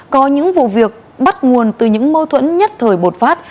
có những vụ việc bắt nguồn từ những mâu thuẫn nhất thời bột phát